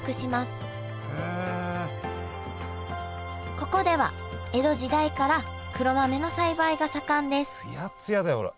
ここでは江戸時代から黒豆の栽培が盛んですツヤツヤだよほら。